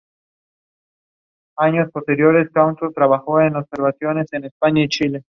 Bueno, ese poema tiene una historia curiosa, al menos me lo parece hoy.